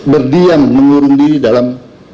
berdiam mengurung diri dalam